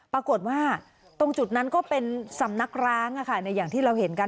ปรากฏว่าตรงจุดนั้นก็เป็นสำนักร้างอย่างที่เราเห็นกัน